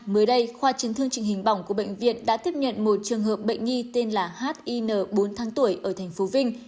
mới đây khoa chấn thương trình hình bỏng của bệnh viện đã tiếp nhận một trường hợp bệnh nhi tên là hinh bốn tháng tuổi ở tp vinh